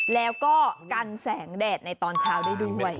แล้วก็กันแสงแดดในตอนเช้าได้ด้วย